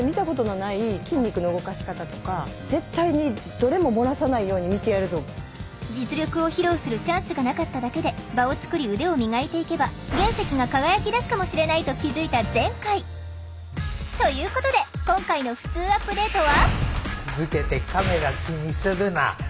「彼らを侮っていた」とちょっぴり反省実力を披露するチャンスがなかっただけで場を作り腕を磨いていけば原石が輝きだすかもしれないと気付いた前回。ということで今回の「ふつうアップデート」は続けて。